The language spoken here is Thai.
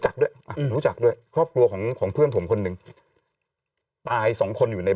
จักด้วยรู้จักด้วยครอบครัวของเพื่อนผมคนนึงตาย๒คนอยู่ใน